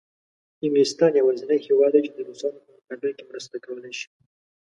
انګلستان یوازینی هېواد دی چې د روسانو په مقابل کې مرسته کولای شي.